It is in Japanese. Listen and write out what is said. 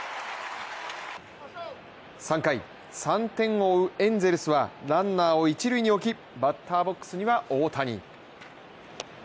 ３回、３点を追うエンゼルスはランナーを一塁に置きバッターボックスには大谷。